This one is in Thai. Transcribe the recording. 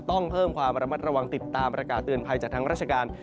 ต้องเพิ่มความระมัดระวังติดตามประกาศเตือนภัยจากทางราชการ